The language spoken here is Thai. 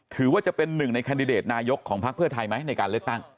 ถือว่าเป็นหนึ่งในแคนดิเดตนายกของพักเพื่อไทยไหมในการเลือกตั้ง